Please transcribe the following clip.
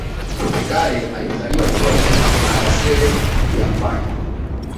Pepe Kalle alipozaliwa alipewa jina la Kabasele Yampanya